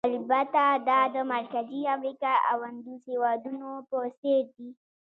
البته دا د مرکزي امریکا او اندوس هېوادونو په څېر دي.